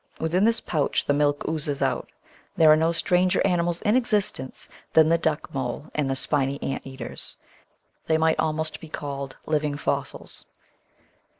Within this pouch the milk oozes out. There are no stranger animals in existence than the Duckmole and the Spiny Ant eaters. They might almost be called "living fossils."